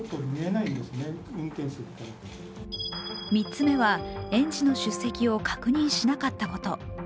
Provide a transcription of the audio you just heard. ３つ目は、園児の出席を確認しなかったこと。